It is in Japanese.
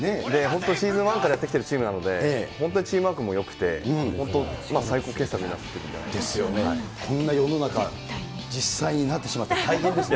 シーズン１からやってきているチームなので、本当にチームワークですよね、こんな世の中、実際になってしまったら大変ですね。